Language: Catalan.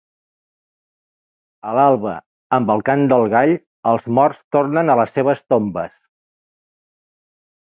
A l'alba, amb el cant del gall, els morts tornen a les seves tombes.